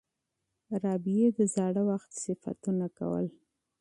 رابعې د زاړه وخت صفتونه کول.